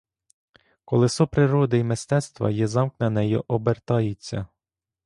Колесо природи й мистецтва є замкнене й обертається.